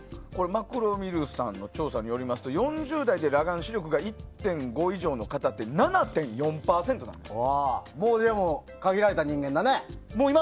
マクロミルさんの調査によりますと４０代で裸眼視力が１．５以上の方ってもう限られた人間だね。